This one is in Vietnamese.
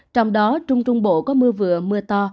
trong đó trung trung bộ có mưa vừa mưa to